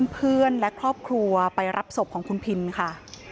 เพื่อนและครอบครัวไปรับศพของคุณพินค่ะ